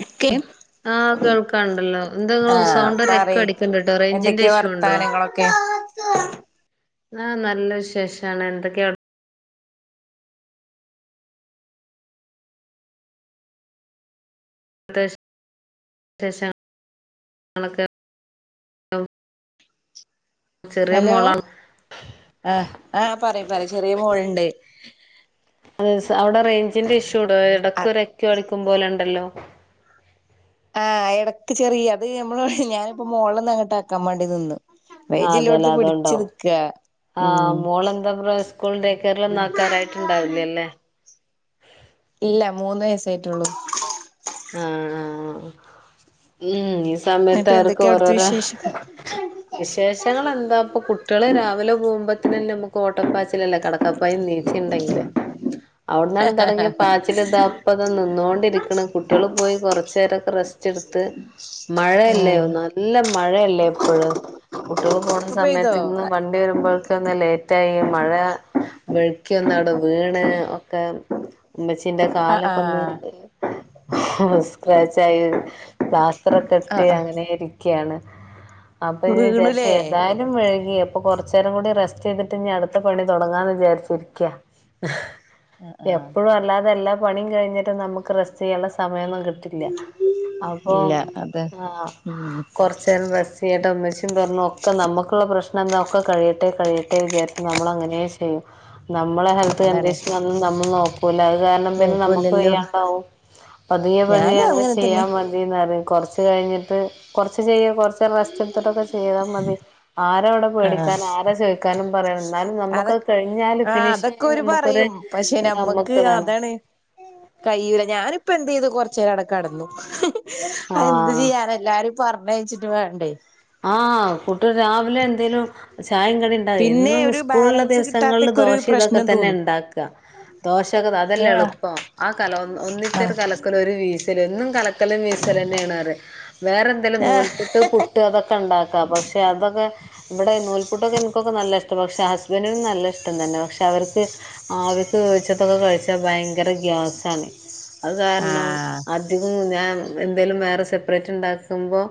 ക്കെ ആഹ് കേൾക്കാണ്ടല്ലോ എന്താ ആ ഇങ്ങള് സൗണ്ട് ഒരു എക്കോ പറയ് അടിക്ക്ണ്ട്ട്ടോ റേഞ്ചിന്റെ എന്തൊക്കെ ഇഷ്യൂ ഉണ്ടോ വർത്തനങ്ങളൊക്കെ സ..... ആ നല്ല വിശേഷാണ് എന്തൊക്കെട് ത്തെ വിശേഷങ്ങളൊക്കെ [unintelligible] ചെറിയ ഹലോ മോളാണ് ആ ആ പറി പറി ചെറിയ മോള്ണ്ട് [unintelligible] അവിടെ റേയ്ഞ്ചിന്റെ ഇഷ്യൂട് ആഹ് എടക്കൊര് എക്കോ അടിക്കും പോലെണ്ടല്ലോ ആഹ് എടക്ക് ചെറിയ അത് നമ്മള് ഞാനിപ്പോ മോളോന്ന് അങ്ങട്ടാക്കാ മാണ്ടി നിന്ന് ആഹ് അതെല്ലേ റേഞ്ചില്ലോട്ത്ത് പിടിച്ച് അതുണ്ടാവും നിക്കാ ആഹ് ഉം മോളെന്താപ്പ്റ സ്കൂള് ടേക്ക് കെയറിലൊന്നും ആക്കാറായിട്ടുണ്ടാവിലല്ലേ ഇല്ല മൂന്ന് വയസായിറ്റൊള്ളു ആ ആ ഉം ഇ എന്നിട്ട് സമയത്തവർക്ക് എന്തൊക്കെയാ അവിടുത്തെ ഓരോര വിശേഷം വിശേഷങ്ങൾ എന്താപ്പ കുട്ട്യാള് രാവിലെ പോവുമ്പത്തന്നെ നമുക്ക് ഓട്ടപ്പാച്ചിലല്ലേ കടക്കപ്പായിന്ന് നീ ണ്ടെങ്കില് അവിട്ന്നാണ്ട് തോടങ്ങിയ പാച്ചിൽ ദാ ഇപ്പതാ നിന്നോണ്ടിരിക്ക്ണ്‌ കുട്ട്യാള് പോയി കൊറച്ചേരൊക്കെ റസ്റ്റ്ട്ത്ത് മഴയല്ല ഉം നല്ല മ മഴയല്ലേ ഇപ്പഴ് കുട്ട്യാള് പോണ ഇപ്പൊ പെയ്തോ സമയത്ത്ന്നും വണ്ടി വരുമ്പോഴക്കേന്താ ലെറ്റായേ മഴ വെഴ്ക്കി ഒന്നാടെ വീണ് ഒക്കെ ഇമ്മച്ചീന്റെ ആഹ് കാലൊക്കൊന്ന് ആഹ് സ്ക്രാച്ചായി പ്ലാസ്റ്റർ ഒക്കെ ഇട്ട് ആഹ് ആഹ് അങ്ങനെ ഇരിക്ക്യാണ് അപ്പൊ ഞാ വിചാരിച്ച് വീണുലേ ഏതായാലും വൈകി അപ്പൊ കൊറച്ചേരം കൂടി റെസ്റ്റ്ട്ത്ത് ഇഞ്ഞ് അട്ത്ത പണി തുടങ്ങാന്ന് വിചാരിച്ചിരിക്ക്യാ ആഹ് ആഹ് എപ്പഴും അല്ലാതെ എല്ലാ പണീം കഴിഞ്ഞിട്ട് നമുക്ക് റെസ്റ്റ്യ്യാനുള്ള സമയൊന്നും കിട്ടില്ല അപ്പൊ ഇല്ല അത് ആ ഉം കൊറച്ചേരം റസ്റ്റയേട്ടെ ഉമ്മച്ചിം പറഞ്ഞ് ഒക്കെ നമ്മ ക്ക്ള്ള പ്രശ്നന്താ ഒക്കെ കഴിയട്ടെ കഴിയട്ടെ വിചാരിച്ച് നമ്മൾ അങ്ങനേ ചെയ്യും നമ്മളെ ഹെൽത്ത് അതാണ് കണ്ടീഷനൊന്നും നമ്മള് നോക്കൂല്ല അത് കാരണം പിന്നെ നമ്മുക്ക് നോക്കൂലല്ലോ വെയ്യാണ്ടാവും പതിയെ പതിയെ ഞാനും അങ്ങനെ ചെയ്യാ തന്നെ മതിന്നറിം കൊറച്ച് കഴിഞ്ഞിട്ട് കൊറച്ച് ചെയ്യ് കൊറ ച്ചേരം റസ്റ്റ്‌ട്ത്ത്ട്ടൊക്കെ ചെയ്താ മതി ആരവിടെ ആഹ് പേടിക്കാൻ ആരാ ചോയിക്കാനും പറയാനും എന്നാലും അതൊ നമുക്കത് കഴിഞ്ഞാല് ആഹ് അതൊക്കെ ഫിനിഷായാ ഓര് നമുക്കൊരു പറയും പക്ഷെ നമ്മക്ക് നമ്മുക്ക്താണ് അതാണ് കയ്യൂല ഞാ നിപ്പോ എന്ത്യ്തു കൊറച്ചേരം അവ്ടെ കടന്നു അത് എന്ത് ആഹ് ചെയ്യാനാ എല്ലാരും പറ് ഞ്ഞയ്ച്ച്ട്ട് വേണ്ടേ ആഹ് കുട്ട്യാള് രാവിലെ എന്തേലും ചായേം കടിണ്ടാവ പിന്നെ എന്നും ഒരു സ്കൂൾള്ള ബാലൻസ് ദിവസങ്ങള്ൽ കിട്ടാത്തൊക്കെ ഒരു ദോശ ഇതൊക്കെ പ്രശ്നം തന്നെ തോന്നും ഇണ്ടാക്ക ദോശൊ അതല്ലേ ആഹ് എളുപ്പം ആ കല ഒന്നിച്ചോരു ആഹ് കലക്കലും ഒരു വീസ് എന്നും കലക്കലും വീസലുന്നെയാണെറ വേറെന്തെലും നൂൽപുട്ട് പു ട്ട്ണ്ടാക്ക പക്ഷേ അതൊക്കെ ഇവിടെ നൂൽപുട്ടൊക്കെ ഇന്ക്കൊക്കെ നല്ലിഷ്ട്ടാ പക്ഷെ ഹസ്ബൻഡും നല്ല ഇഷ്ടം തന്നെ ഇവനും നല്ലിഷ്ടം തന്നെ പക്ഷെ അവര്ക്ക് ആവിക്ക് വേവിച്ചതൊക്കെ കഴിച്ചാ ഭയങ്കര ഗ്യാസാണ്. അത് കാരണം ആഹ് അധികും ഞാൻ എന്തേലും വേറെ സെപ്പറേറ്റ്ണ്ടാക്കുമ്പോ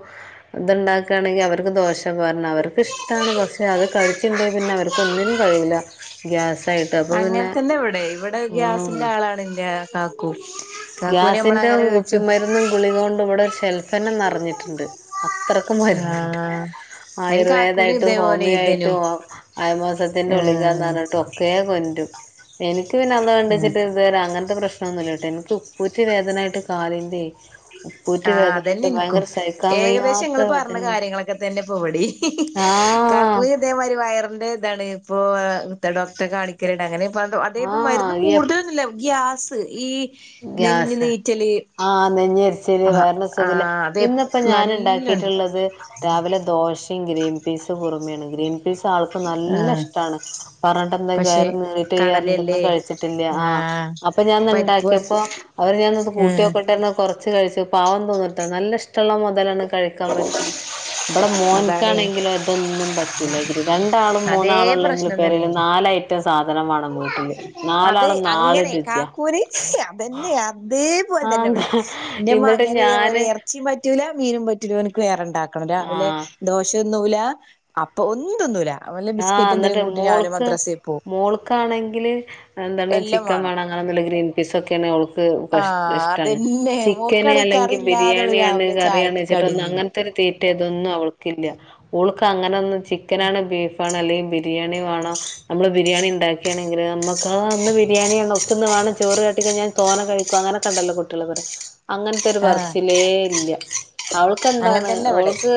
ഇത്ണ്ടാക്കാണെങ്കിൽ അവർക്ക് ദോശ പറഞ്ഞ് അവർക്കിഷ്ട്ടാണ് പക്ഷേ അത് കഴിച്ച്ണ്ടെ പിന്നെ അവർക്ക് ഒന്നിനും കഴിയില്ല ഗ്യാസ് അങ്ങനത്തന്നെ ഇവിടേം ഇവിടെ ഗ്യാസിന്റെ ഉം ആളാണ് ഇന്റെ കാക്കു കാക്കൂനെ നമ്മള് ഗ്യാസിന്റെ അങ്ങനെ കുപ്പി ചോദിച്ചു മരുന്നും ഗുളിക കൊണ്ടും ഇവിടെ ഷെൽഫ് തന്നെ നെറഞ്ഞിട്ട്ണ്ട്. ത്രക്ക് വരുന്നുണ്ട്. ആഹ് അയിന് കാക്കൂന് ആയുർവേദായിട്ടും ഇതേപോലെ ഹോമിയോ ഇതേനു ആയിട്ടും അയ മാസത്തിറെ ഗുളികാന്ന് ആഹ് പറഞ്ഞിട്ടും ഒക്കെ കൊചും എനക്ക് പിന്നെ അല്ലാഹ് വണ്ട ആഹ് വെച്ചിട്ട് ഇതുവരെ അങ്ങനത്തെ പ്രശ്‌നൊന്നൂല്യ ട്ടോ എനിക്ക് ഉപ്പൂറ്റി വേദനായിട്ട് കാലിന്റെ ഉപ്പൂറ്റി ആ അതന്ന വേദനായിട്ട് ഇൻക്കും. ഭയങ്കര സഹിക്കാൻ ഏകദേശം വയ്യാത്ത ങ്ങൾ പറഞ്ഞ വേദനയാണ് കാര്യങ്ങളൊക്കെ തന്നെ ഇവടിം ആഹ് കാക്കുന് ഇതേമാരി വയറിന്റെ ഇതാണ്. ഇപ്പോ ഡോക്ടറെ കാണിക്കലിണ്ട്. അങ്ങനെ അതായത് മരുന്ന് ആഹ് കൂടുതലൊന്നുല്ല. ഗ്യാസ് സ് ഈ നെഞ്ഞ് ഗ്യാസ് നീറ്റല് ആഹ് നെഞ്ഞെരി ശരി ആഹ് വയറിൻ സുഖില്ല. ആഹ് അതെ ഇന്നിപ്പ ഞാൻ നല്ലണ്ട് ഇണ്ടാക്കീട്ട്ള്ളത് രാവിലെ ദോശ ഗ്രീൻ പീസ് കുറുമേണ് ഗ്രീൻ പീസ് ആൾക്ക് ആഹ് നല്ലഷ്ട്ടാണ്. പറഞ്ഞിട്ട് എന്താ പക്ഷെ കാര്യം നീറിറ്റ് വയ്യാന്ന് പറഞ്ഞു കടലല്ലേ കഴിച്ചിട്ടില്ല ആ ആഹ് അപ്പൊ ഞാന്നേണ്ടാക്കി പരിപ്പ് ക്കിയപ്പോ അവര് ഞാൻത് ആഹ് കൂട്ടിനോക്കട്ടന്ന് കുറച്ച് കഴിച്ച് പാവം തോന്നൂട്ട നല്ലിഷ്ട്ടാ ട്ടുള്ള മുതലാണ് കഴിക്കാൻ പറ്റ ഇവിടെ അതാണേ മോൻക്കാണെങ്കില ഇതൊന്നും പറ്റൂല്ല രണ്ടാളും അതേ മൂന്നാളുംല്ലെങ്കിൽ പ്രശ്നം പേരേൽ തന്നെ നാൽ ഏറ്റവും സാധനം വേണം വീട്ടില്. നാലാളും നാൽ രുചിയാ അതന്നെയാ അതേ അതേപോലെ തന്നെ ഇവിടെ. ആഹ് ന്റെ എന്നിട്ട് മകന് ഇതേപോലെ ഞാന് ഇറച്ചിയും പറ്റൂല മീനും പറ്റൂല ഓനിക്ക് വേറണ്ട ക്കണം. രാവിലെ ആഹ് ദോശൊന്നുല അപ്പൊ ഒന്നും തിന്നുലാ.. ആഹ ന്നിട് മോൾക്ക് പോവും മോൾക്കാണെങ്കിൽ എന്താണ് ചിക്കൻ വേണം അങ്ങനേല് ഗ്രീൻ പീസ് ഒക്കെയ ആഹ് ഇഷ്ട്ടാണ് അതന്നെ ചിക്കന് മോക്കാണെ കറി അല്ലെങ്കിൽ ഇല്ലാതെ ഓള് ബിരിയാണിയ ആണ് രാവിലെ കറിയാണ് ചായക്ക് ചിട്ട കടി ഒന്ന് തിന്നൂല അങ്ങനത്തെ ഒരു തീ തൊന്നും അവൾക്കില്ല. ഓൾക്ക് അങ്ങനെന്നും ചിക്കനാണ് ബീഫ് അല്ലെങ്കിൽ ബിരിയാണി വേണോ നമ്മള് ബിരിയാണി ഇണ്ടാക്കാണെങ്കിൽ നമുക്ക അന്ന് ബിരിയാണി ആണ് ചോറ് കാട്ടിക്ക ഞാൻ തോന കഴിക്കും. അങ്ങനെക്കെണ്ടല്ലോ കുട്ടികൾ അങ്ങനത്തെ ഒരു ആഹ് പറച്ചിലേ ഇല്ല അങ്ങനെ അവൾക്ക്ന്താണ് തന്നെ ഇവിടെ ഓൾക്ക്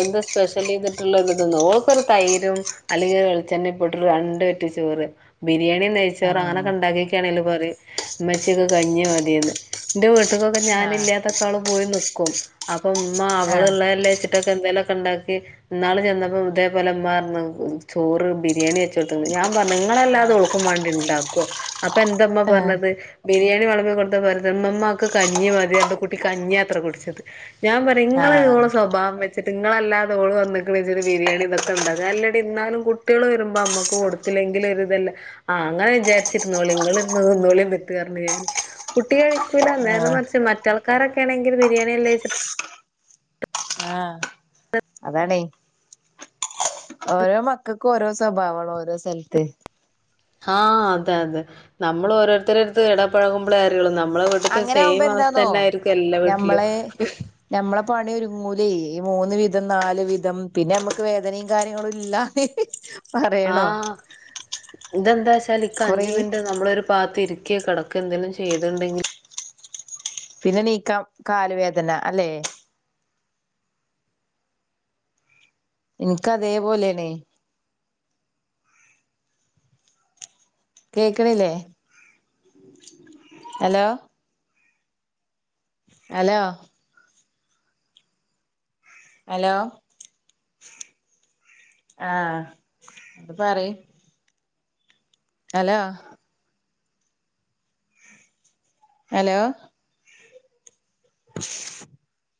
എന്ത് സ്പെഷ്യൽ ചെയ്തിട്ടുള്ള ഇതൊ ഓൾക്കൊരു തൈരും അല്ലെങ്കിൽ വെളിച്ചെണ്ണ ഇപ്പട്ട് രണ്ട് പറ്റി ചോറ് ബിരിയാണി നയിച്ചോറ് ആഹ് അങ്ങനക്കെ ഉണ്ടാക്കിക്കാണെലോ പറയും. മ്മച്ചി ന്ക്ക് കഞ്ഞി മതിന്ന്. എന്റെ വീട്ടക്കൊക്കെ ആഹ് ഞാനില്ലാത്തക്കൊക്കെ അവള് പോയി നി ക്കും. അപ്പ ഉമ്മ അവൾ ള്ളല്ലേ ച്ചിട്ടൊക്കെ എന്തെലൊക്കെ ഉണ്ടാക്കി ന്നാൾ ചെന്നപ്പോ ഇതേപോലെ മ്മ പാർഞ്. ചോറ് ബിരിയാണി വെച്ച് കൊടുത്തേക്കണ് ആഹ് ങ്ങളല്ലാതെ ആഹ് ഓൾക്കും വേണ്ടി ണ്ടാക്കോ, അപ്പൊ എന്തമ്മ ആഹ് പറഞ്ഞത് ബിരിയാണി കൊടുത്തപ്പോൾ മ്മമ്മ ഇക്ക് കഞ്ഞി മതിപറഞ്ഞു കുട്ടി കഞ്ഞിയാത്ര കുടിച്ചത് ഞാൻ പറയാ ഇങ്ങങ്ങള് ആഹ് ഇള് സ്വഭാവം ഞാൻ പറയാ ഇങ്ങൾ ഇങ്ങള്ടെ സ്വഭാവം വെച്ചട്ട് നിങ്ങളല്ലാതോള് വന്നിക്കിണ് ജാരിച്ചു ബിരിയാണി ഇതൊക്കെ ഉണ്ടാക്കുക അല്ല ന്നാലും കുട്ടികൾ വരുമ്പോ അമ്മക്ക് കൊടുത്തില്ലെങ്കിൽ ഒരു ഇതല്ല അങ്ങനെ വിചാരിച്ചിരുന്നോളീ ഇങ്ങൾ രിയാണി ന്നിട്ട് പറഞ്ഞു ഞാൻ നേരെ ആഹ് മർച്ച് മറ്റ ആൾക്കാരൊക്കൊണെങ്കിൽ ബിരിയാണി അല്ലേ അതാടെയ് ഓരോ മക്കക്ക് ഓരോ സ്വഭാവാണ് ഓരോ സലത്ത് ആഹ് അതാതെ നമ്മൾ ഓരോരുത്തരുടെ അട്ത്ത് ഇടപഴകുമ്പോഴേ അറിയൂള്ളു അങ്ങനെ ആകുമ്പ എന്താന്നോ ഞമ്മളെ വീട്ടിലും ഞമ്മളെ പണി ഒരുങ്ങൂല ഈ മൂന്ന് വിധം നാല് വിധം പിന്നെ നമ്മക്ക് വേദനയും കാര്യങ്ങളുല്ല്യ ആ ഇതെന്താന്നാച്ചാൽ ഇക്ക കൊറേ അഞ്ച മിനിറ്റ് നമ്മളൊരു പാത്തിരിക്ക ക്യ കിടക്ക് എന്തെലും ചെയ്തുണ്ടെങ്കിൽ പിന്നെ നീക്കാം കാല് വേദന അല്ലേ ഇൻക്ക് അതേ പോലെയണേ കേക്ണില്ലേ ഹലോ ഹലോ ഹലോ? ആഹ് അത് പറി അലോ? ഹലോ? [unintelligible]